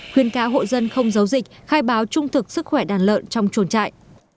khuyên cá hộ dân không giấu dịch khai báo trung thực sức khỏe đàn lợn trong chuồn trại